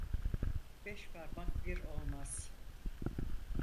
Beş parmak bir olmaz.